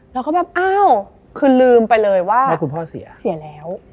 เราก็แบบอ้าวคือลืมไปเลยว่าเสียแล้ว